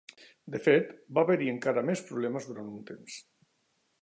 De fet, va haver-hi encara més problemes durant un temps.